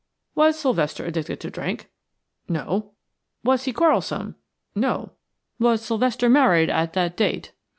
"Was Sylvester addicted to drink?" "No." "Was he quarrelsome?" "No." "Was Sylvester married at that date?"